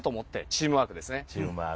チームワークですね。